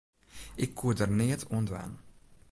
Ik koe der neat oan dwaan.